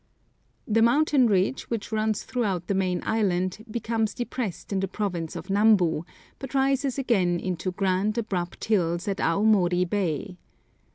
The mountain ridge, which runs throughout the Main Island, becomes depressed in the province of Nambu, but rises again into grand, abrupt hills at Aomori Bay.